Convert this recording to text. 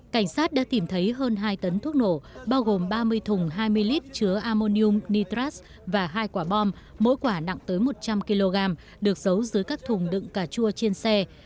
cảnh sát đã tìm thấy hơn hai tấn thuốc nổ bao gồm ba mươi thùng hai mươi lít chứa amonium nitras và hai quả bom mỗi quả nặng tới một trăm linh kg được giấu dưới các thùng đựng cà chua trên xe